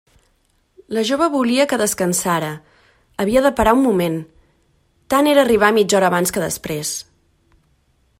La jove volia que descansara, havia de parar un moment; tant era arribar mitja hora abans que després.